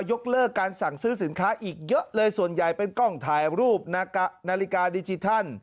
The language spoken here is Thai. ยกเลิกการสั่งซื้อสินค้าอีกเยอะเลยส่วนใหญ่เป็นกล้องถ่ายรูปนาฬิกาดิจิทัล